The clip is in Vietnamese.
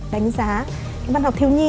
đánh giá văn học thiếu nhi